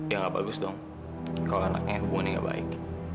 ya nggak bagus dong kalau anaknya hubungannya nggak baik